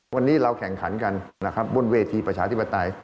วันนี้เราแข่งขันกันนะครับบนเวทีประชาธิปไตย